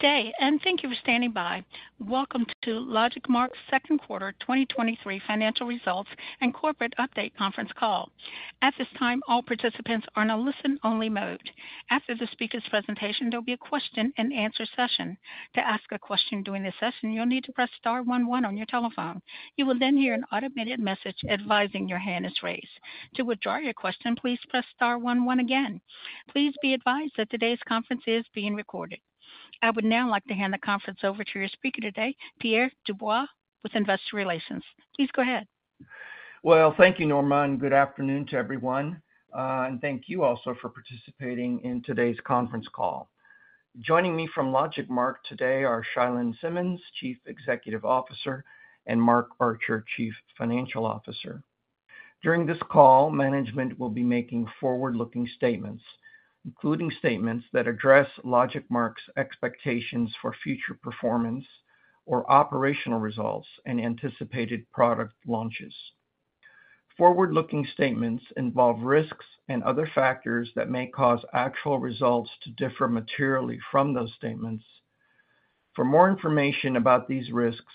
Today, thank you for standing by. Welcome to LogicMark's second quarter 2023 financial results and corporate update conference call. At this time, all participants are in a listen-only mode. After the speaker's presentation, there'll be a question and answer session. To ask a question during the session, you'll need to press star one one on your telephone. You will then hear an automated message advising your hand is raised. To withdraw your question, please press star one one again. Please be advised that today's conference is being recorded. I would now like to hand the conference over to your speaker today, Pierre Dubois, with Investor Relations. Please go ahead. Well, thank you, Norma. Good afternoon to everyone. Thank you also for participating in today's conference call. Joining me from LogicMark today are Chia-Lin Simmons, Chief Executive Officer, and Mark Archer, Chief Financial Officer. During this call, management will be making forward-looking statements, including statements that address LogicMark's expectations for future performance or operational results and anticipated product launches. Forward-looking statements involve risks and other factors that may cause actual results to differ materially from those statements. For more information about these risks,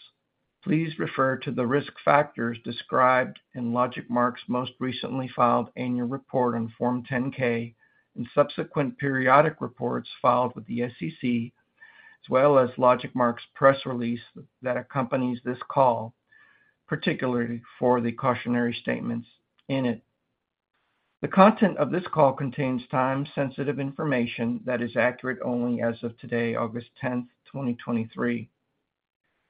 please refer to the risk factors described in LogicMark's most recently filed annual report on Form 10-K and subsequent periodic reports filed with the SEC, as well as LogicMark's press release that accompanies this call, particularly for the cautionary statements in it. The content of this call contains time-sensitive information that is accurate only as of today, August 10th, 2023.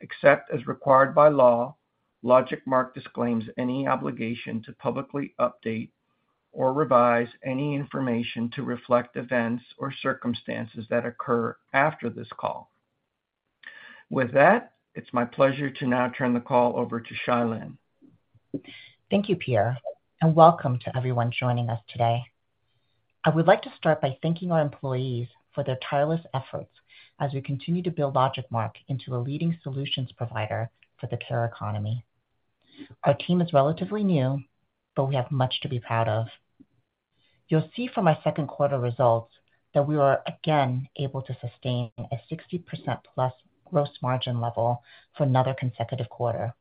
Except as required by law, LogicMark disclaims any obligation to publicly update or revise any information to reflect events or circumstances that occur after this call. With that, it's my pleasure to now turn the call over to Chia-Lin. Thank you, Pierre, welcome to everyone joining us today. I would like to start by thanking our employees for their tireless efforts as we continue to build LogicMark into a leading solutions provider for the care economy. Our team is relatively new, but we have much to be proud of. You'll see from our second quarter results that we were again able to sustain a 60%+ gross margin level for another consecutive quarter.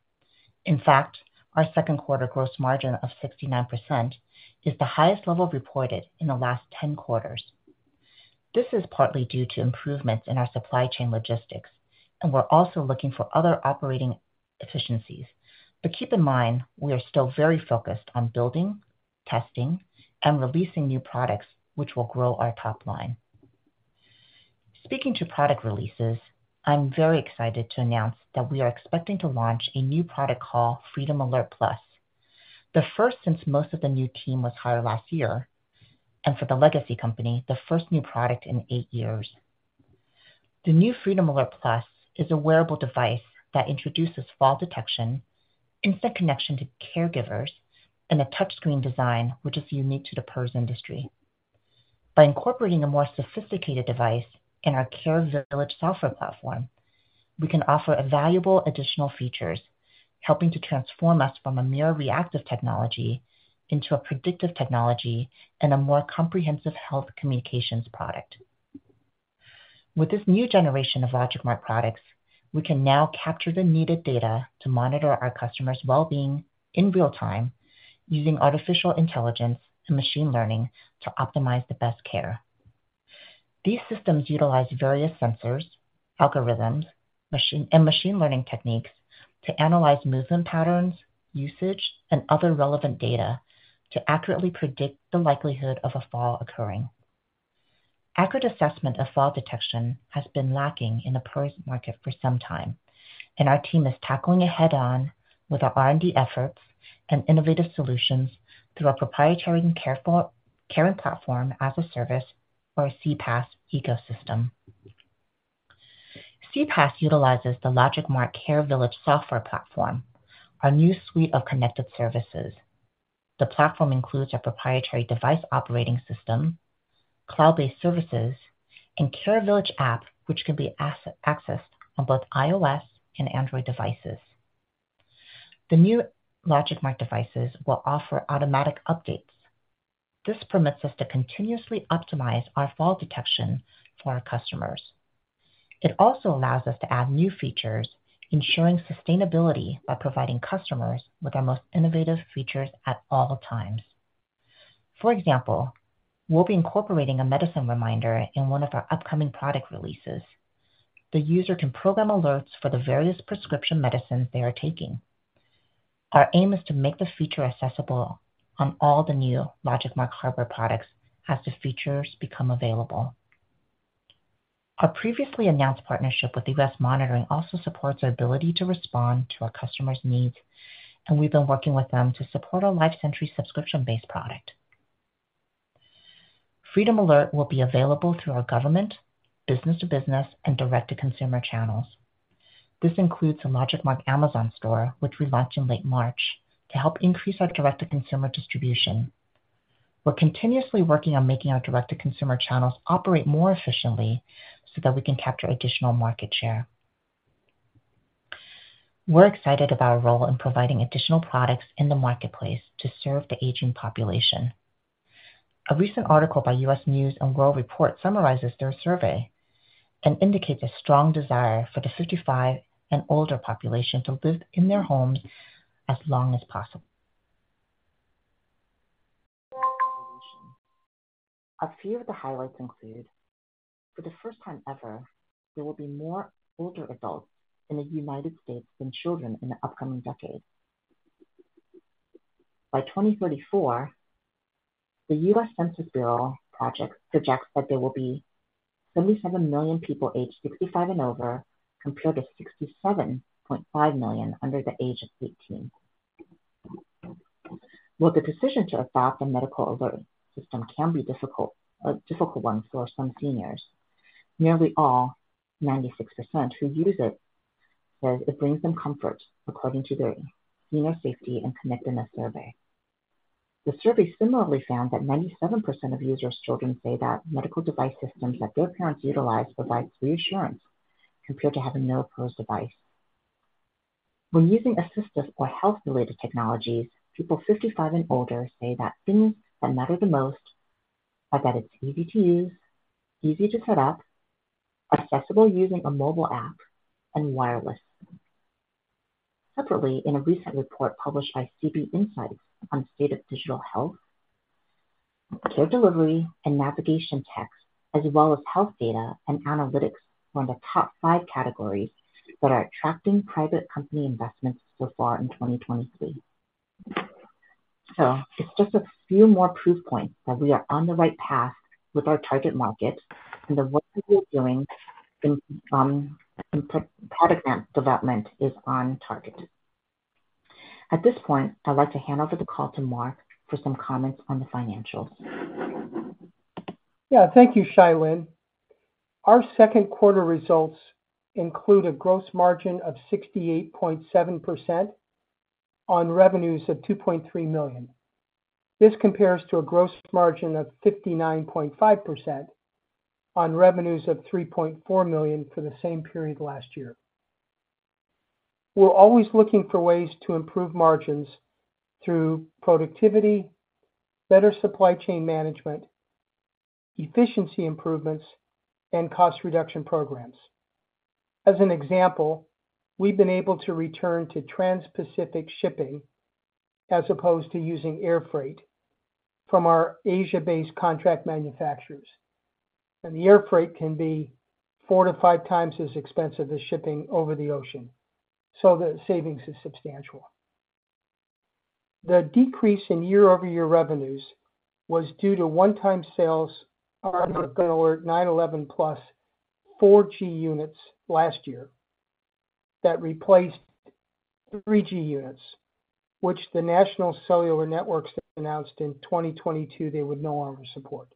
In fact, our second quarter gross margin of 69% is the highest level reported in the last 10 quarters. This is partly due to improvements in our supply chain logistics, we're also looking for other operating efficiencies. Keep in mind, we are still very focused on building, testing, and releasing new products which will grow our top line. Speaking to product releases, I'm very excited to announce that we are expecting to launch a new product called Freedom Alert Plus, the first since most of the new team was hired last year, and for the legacy company, the first new product in eight years. The new Freedom Alert Plus is a wearable device that introduces fall detection, instant connection to caregivers, and a touchscreen design, which is unique to the PERS industry. By incorporating a more sophisticated device in our Care Village software platform, we can offer valuable additional features, helping to transform us from a mere reactive technology into a predictive technology and a more comprehensive health communications product. With this new generation of LogicMark products, we can now capture the needed data to monitor our customers' well-being in real time, using artificial intelligence and machine learning to optimize the best care. These systems utilize various sensors, algorithms, machine, and machine learning techniques to analyze movement patterns, usage, and other relevant data to accurately predict the likelihood of a fall occurring. Accurate assessment of fall detection has been lacking in the PERS market for some time. Our team is tackling it head-on with our R&D efforts and innovative solutions through our proprietary Care and Platform as a Service, or CPaaS ecosystem. CPaaS utilizes the LogicMark Care Village software platform, our new suite of connected services. The platform includes a proprietary device operating system, cloud-based services, and Care Village app, which can be accessed on both iOS and Android devices. The new LogicMark devices will offer automatic updates. This permits us to continuously optimize our fall detection for our customers. It also allows us to add new features, ensuring sustainability by providing customers with our most innovative features at all times. For example, we'll be incorporating a medicine reminder in one of our upcoming product releases. The user can program alerts for the various prescription medicines they are taking. Our aim is to make the feature accessible on all the new LogicMark hardware products as the features become available. Our previously announced partnership with US Monitoring also supports our ability to respond to our customers' needs, and we've been working with them to support our LifeSentry subscription-based product. Freedom Alert will be available through our government, business to business, and direct-to-consumer channels. This includes the LogicMark Amazon store, which we launched in late March, to help increase our direct-to-consumer distribution. We're continuously working on making our direct-to-consumer channels operate more efficiently so that we can capture additional market share.... We're excited about our role in providing additional products in the marketplace to serve the aging population. A recent article by U.S. News & World Report summarizes their survey and indicates a strong desire for the 55 and older population to live in their homes as long as possible. A few of the highlights include: for the first time ever, there will be more older adults in the United States than children in the upcoming decade. By 2034, the US Census Bureau projects that there will be 77 million people aged 65 and over, compared to 67.5 million under the age of 18. While the decision to adopt a medical alert system can be difficult, a difficult one for some seniors, nearly all, 96%, who use it say it brings them comfort, according to their Senior Safety and Connectedness Survey. The survey similarly found that 97% of users' children say that medical device systems that their parents utilize provide reassurance compared to having no device. When using assistive or health-related technologies, people 55 and older say that things that matter the most are that it's easy to use, easy to set up, accessible using a mobile app, and wireless. Separately, in a recent report published by CB Insights on the state of digital health, care delivery and navigation text, as well as health data and analytics, were the top five categories that are attracting private company investments so far in 2023. It's just a few more proof points that we are on the right path with our target market and the work that we're doing in product development is on target. At this point, I'd like to hand over the call to Mark for some comments on the financials. Thank you, Chia-Lin. Our second quarter results include a gross margin of 68.7% on revenues of $2.3 million. This compares to a gross margin of 59.5% on revenues of $3.4 million for the same period last year. We're always looking for ways to improve margins through productivity, better supply chain management, efficiency improvements, and cost reduction programs. As an example, we've been able to return to transpacific shipping, as opposed to using air freight, from our Asia-based contract manufacturers, and the air freight can be 4 to 5 times as expensive as shipping over the ocean, so the savings is substantial. The decrease in year-over-year revenues was due to one-time sales of our Guardian Alert 911 Plus 4G units last year that replaced 3G units, which the national cellular networks announced in 2022 they would no longer support.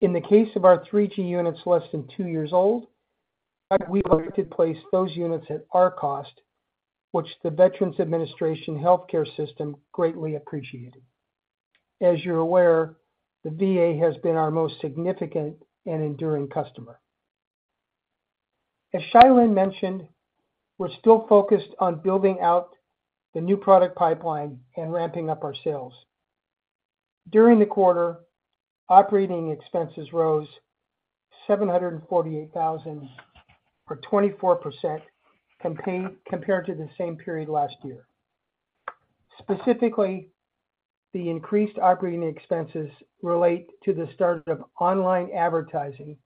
In the case of our 3G units less than 2 years old, we were able to place those units at our cost, which the Veterans Administration healthcare system greatly appreciated. As you're aware, the VA has been our most significant and enduring customer. As Chia-Lin mentioned, we're still focused on building out the new product pipeline and ramping up our sales. During the quarter, operating expenses rose $748,000, or 24%, compared to the same period last year. Specifically, the increased operating expenses relate to the start of online advertising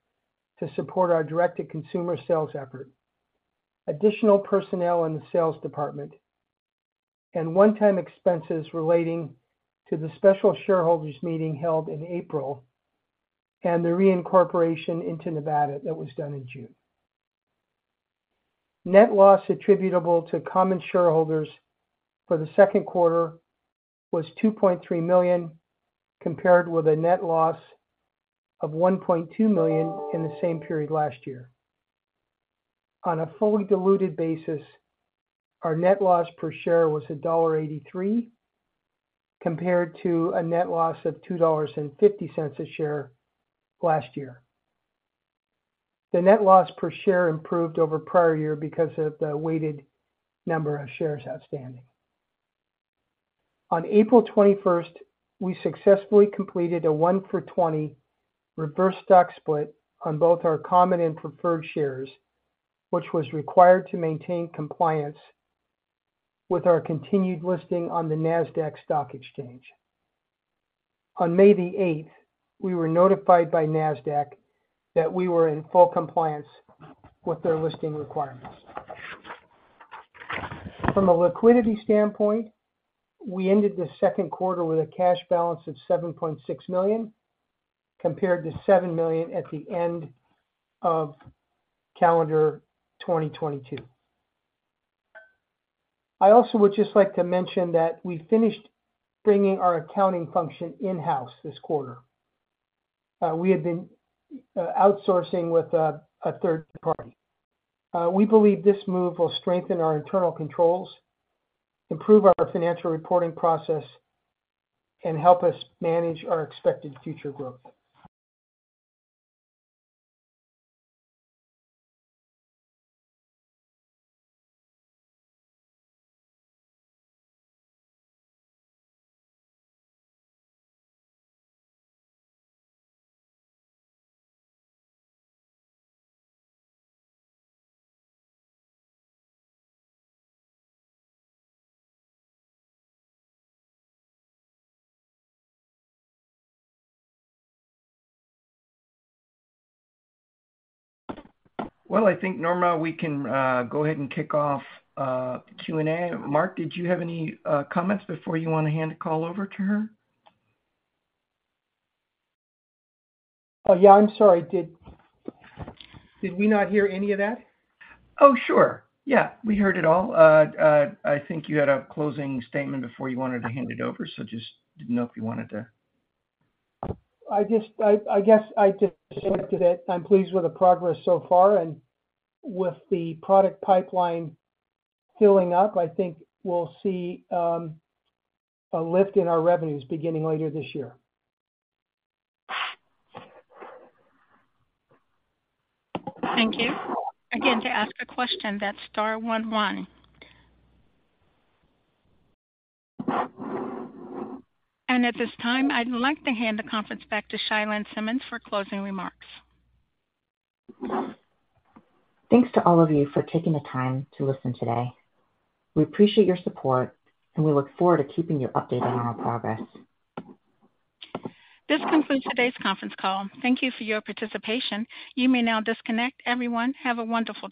to support our direct-to-consumer sales effort, additional personnel in the sales department, and one-time expenses relating to the special shareholders meeting held in April and the reincorporation into Nevada that was done in June. Net loss attributable to common shareholders for the second quarter was $2.3 million, compared with a net loss of $1.2 million in the same period last year. On a fully diluted basis, our net loss per share was $1.83, compared to a net loss of $2.50 a share last year. The net loss per share improved over prior year because of the weighted number of shares outstanding. On April 21st, we successfully completed a 1-for-20 reverse stock split on both our common and preferred shares, which was required to maintain compliance with our continued listing on the Nasdaq Stock Market. On May 8th, we were notified by Nasdaq that we were in full compliance with their listing requirements. From a liquidity standpoint, we ended the second quarter with a cash balance of $7.6 million, compared to $7 million at the end of calendar 2022. I also would just like to mention that we finished bringing our accounting function in-house this quarter. We had been outsourcing with a third party. We believe this move will strengthen our internal controls, improve our financial reporting process, and help us manage our expected future growth. Well, I think, Norma, we can go ahead and kick off the Q&A. Mark, did you have any comments before you want to hand the call over to her? Oh, yeah, I'm sorry. Did we not hear any of that? Oh, sure. Yeah, we heard it all. I think you had a closing statement before you wanted to hand it over, just didn't know if you wanted to... I guess I just stated it. I'm pleased with the progress so far and with the product pipeline filling up, I think we'll see a lift in our revenues beginning later this year. Thank you. Again, to ask a question, that's star one one. At this time, I'd like to hand the conference back to Chia-Lin Simmons for closing remarks. Thanks to all of you for taking the time to listen today. We appreciate your support, and we look forward to keeping you updated on our progress. This concludes today's conference call. Thank Thank you for your participation. You may now disconnect. Everyone, have a wonderful day.